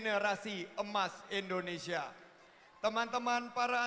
semakin banyak anak muda yang sukses semakin besar kesempatan kita untuk menciptakan gaya